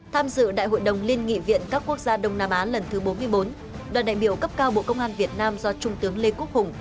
tham dự đại hội đồng liên nghị viện các quốc gia đông nam á lần thứ bốn mươi bốn đoàn đại biểu cấp cao bộ công an việt nam do trung tướng lê quốc hùng